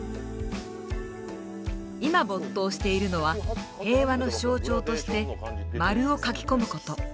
今没頭しているのは平和の象徴として丸を描き込むこと。